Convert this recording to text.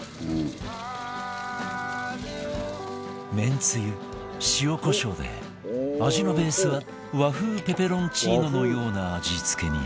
めんつゆ塩コショウで味のベースは和風ペペロンチーノのような味付けに